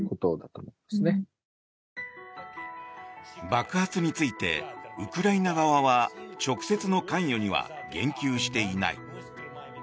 爆発について、ウクライナ側は直接の関与には言及していない。